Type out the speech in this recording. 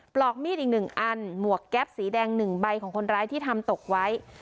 ปลอกมีดอีก๑อันหมวกแก๊ปสีแดง๑ใบของคนร้ายที่ทำตกไว้